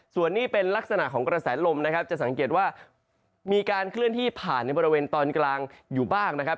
ส่วนนี้เป็นลักษณะของกระแสลมนะครับจะสังเกตว่ามีการเคลื่อนที่ผ่านในบริเวณตอนกลางอยู่บ้างนะครับ